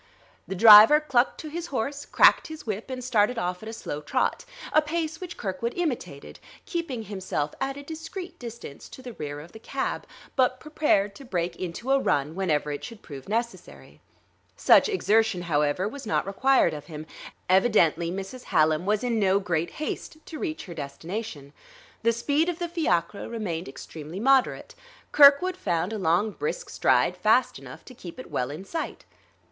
The driver clucked to his horse, cracked his whip, and started off at a slow trot: a pace which Kirkwood imitated, keeping himself at a discreet distance to the rear of the cab, but prepared to break into a run whenever it should prove necessary. Such exertion, however, was not required of him. Evidently Mrs. Hallam was in no great haste to reach her destination; the speed of the fiacre remained extremely moderate; Kirkwood found a long, brisk stride fast enough to keep it well in sight.